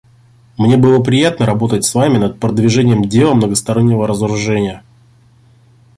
Мне было приятно работать с вами над продвижением дела многостороннего разоружения.